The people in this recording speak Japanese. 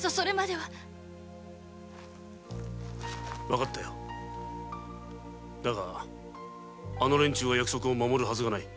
分かったよだがあの連中は約束を守るハズがない。